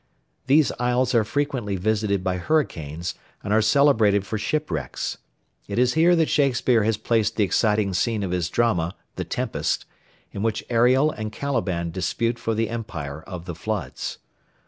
These isles are frequently visited by hurricanes, and are celebrated for shipwrecks. It is here that Shakespeare has placed the exciting scene of his drama, The Tempest, in which Ariel and Caliban dispute for the empire of the floods.